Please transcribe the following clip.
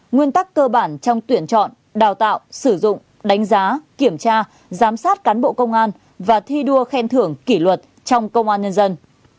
nguyên tắc cơ bản trong tuyển chọn đào tạo sử dụng đánh giá kiểm tra giám sát cán bộ công an và thi đua khen thưởng kỷ luật trong công an nhân dân